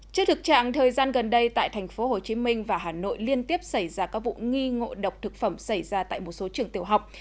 trước thực trạng thời gian gần đây tại tp hcm và hà nội liên tiếp xảy ra các vụ nghi ngộ độc thực phẩm xảy ra tại một số trường tiểu học